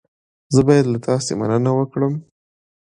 زه باید له تاسې مننه وکړم.